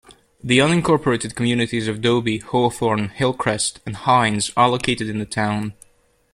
The unincorporated communities of Dobie, Hawthorne, Hillcrest, and Hines are located in the town.